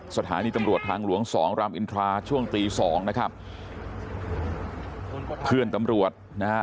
สถานีตำรวจทางหลวงสองรามอินทราช่วงตีสองนะครับเพื่อนตำรวจนะฮะ